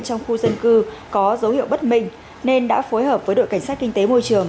trong khu dân cư có dấu hiệu bất minh nên đã phối hợp với đội cảnh sát kinh tế môi trường